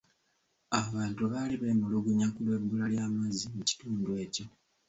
Abantu baali beemulugunya ku lw'ebbula ly'amazzi mu kitundu ekyo.